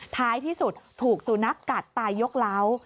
ท้ายที่สุดถูกสุนัขกัดตายยกเล้า